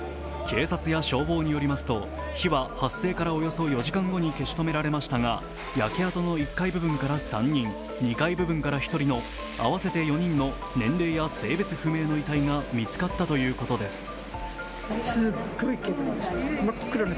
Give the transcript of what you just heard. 警察や消防によりますと火は発生からおよそ４時間後に消し止められましたが焼け跡の１階部分から３人、２階部分から１人の合わせて４人の年齢や性別不明の遺体が見つかったということです。